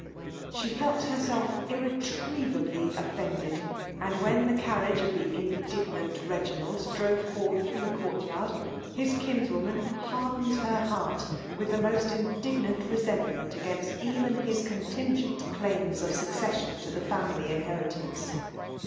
She fidt hersrif irni> Iriemibly offended ; and when the carriBige idt the indignant Reginald drove forth from k'ho' eourt yard, his kinswoman hardened het heart with the most indignant lesentmeit 4lgaiddt even his contingent claims of suecei mofi'to the family inheritance.